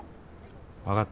分かった。